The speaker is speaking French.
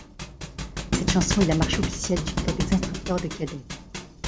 Cette chanson est la marche officielle du Cadre des Instructeurs de Cadets.